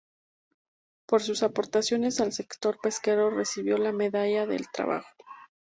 Por sus aportaciones al sector pesquero recibió la Medalla del Trabajo.